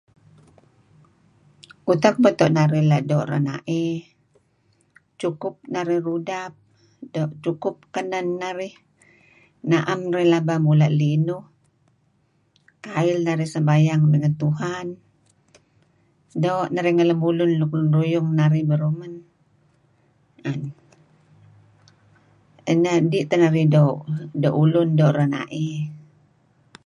Utak beto' narih la' doo renaey cukupnarih rudap cukup nuk kenen narih nam narih pelaba mula' linuh kail narih sembayang ngen Tuhan doo' narih ngen lun ruyung narih beruh man dih teh narih doo' lun doo' renaey.